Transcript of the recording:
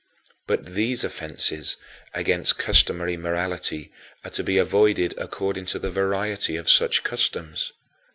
But these offenses against customary morality are to be avoided according to the variety of such customs.